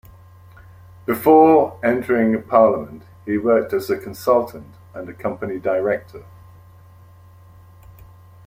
Before entering Parliament, he worked as a consultant and a company director.